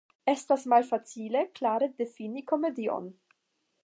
Estas malfacile klare difini komedion.